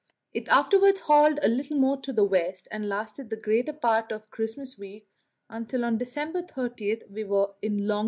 It afterwards hauled a little more to the west, and lasted the greater part of Christmas week, until on December 30 we were in long.